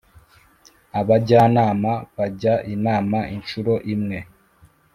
abajyanama bajya inama inshuro imwe